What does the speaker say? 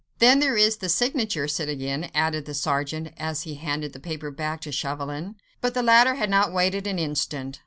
"Then there is the signature, citoyen," added the sergeant, as he handed the paper back to Chauvelin. But the latter had not waited an instant.